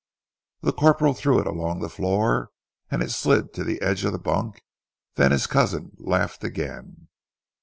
The corporal threw it along the floor and it slid to the edge of the bunk, then his cousin laughed again.